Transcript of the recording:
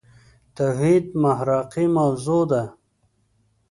توحيد محراقي موضوع ده.